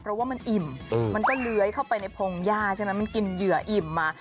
เพราะว่ามันอิ่มมันก็เลื้อยเข้าไปในพงหญ้าใช่ไหมมันกินเหยื่ออิ่มมา